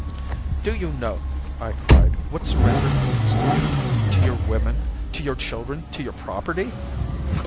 "'Do you know,' I cried, 'what surrender means to you, to your women, to your children, to your property?